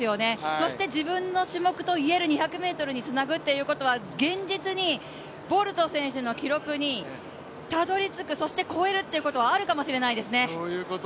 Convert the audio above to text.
そして自分の種目といえる２００ｍにつなぐっていうことは現実にボルト選手の記録にたどりつく、そして超えるということはあるかもしれませんね。